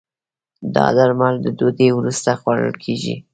دا درمل د ډوډی وروسته خوړل کېږي.